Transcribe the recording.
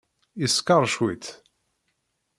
Yeskeṛ cwiṭ.